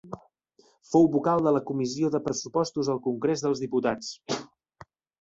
Fou vocal de la Comissió de Pressupostos al Congrés dels Diputats.